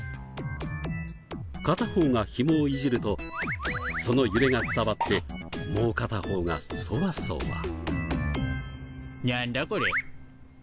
片方がひもをいじるとその揺れが伝わってもう片方がソワソワ。